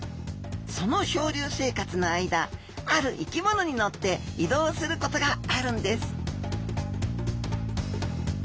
その漂流生活の間ある生き物に乗って移動することがあるんです